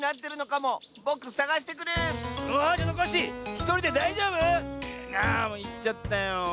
もういっちゃったよ。